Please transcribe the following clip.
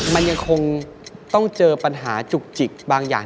มันยังคงต้องเจอปัญหาจุกจิกบางอย่าง